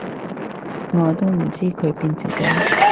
我都唔知佢變成點